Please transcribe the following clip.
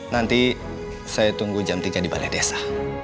nanti saya tunggu jam tiga di balai desa